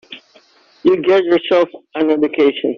You get yourself an education.